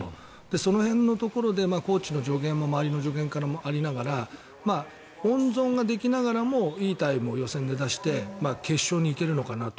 その辺のところでコーチの助言も周りの助言もありながら温存ができながらもいいタイムを予選で出して決勝に行けるのかなと。